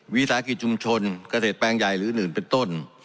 วิสาหกิจชุมชนเกษตรแปลงใหญ่หรืออื่นเป็นต้น